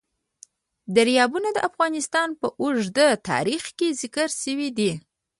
دریابونه د افغانستان په اوږده تاریخ کې ذکر شوی دی.